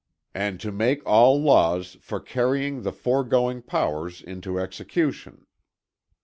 "And to make all laws for carrying the foregoing powers into execution."